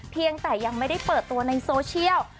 เพียงแต่ยังไม่ได้เปิดตัวในโซเชียล